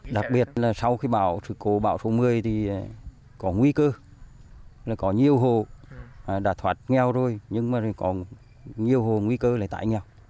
đặc biệt là sau khi bão sự cố bão số một mươi thì có nguy cơ có nhiều hộ đã thoát nghèo rồi nhưng mà còn nhiều hộ nguy cơ lại tải nghèo